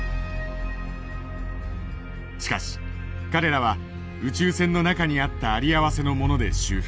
しかし彼らは宇宙船の中にあった有り合わせのもので修復。